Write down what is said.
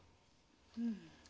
うん。